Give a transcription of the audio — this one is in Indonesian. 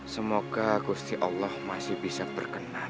semoga gusti allah masih bisa berkenan